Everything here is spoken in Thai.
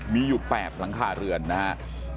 มีอยู่๘หลังคาเรือนนะครับ